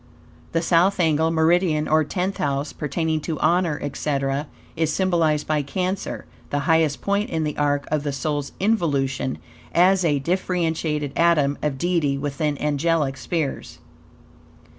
The South angle, meridian, or Tenth House, pertaining to honor, etc., is symbolized by Cancer; the highest point in the arc of the soul's involution, as a differentiated atom of Deity within angelic spheres.